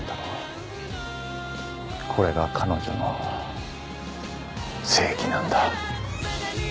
これが彼女の正義なんだ。